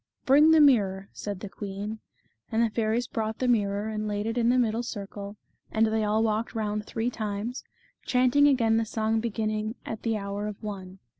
" Bring the mirror," said the queen. And the fairies brought the mirror and laid it in the middle circle, and they all walked round three times, chanting again the song beginning " At the hour of one."